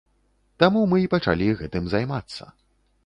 Таму мы і пачалі гэтым займацца.